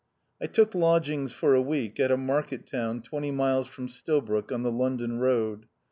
I took lodgings for a week at a market town twenty miles from Stilbroke, on the London road.